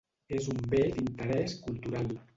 És un Bé d'Interés Cultural.